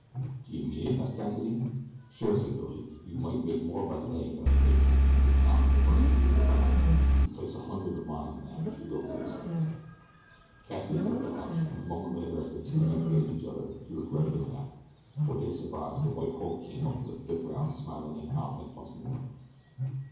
"Do you mean it?" asked Cassidy. "Sure," said Billy. "You might make more by laying that I'd make him take the count in the first minute of the round you can place a hundred of mine on that, if you will, please." Cassidy took the hunch, and a moment later as the two men faced each other he regretted his act, for to his surprise the "white hope" came up for the fifth round smiling and confident once more.